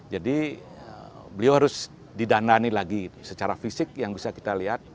jadi beliau harus didandani lagi secara fisik yang bisa kita lihat